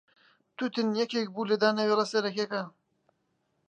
تووتن یەکێک بوو لە دانەوێڵە سەرەکییەکانیان.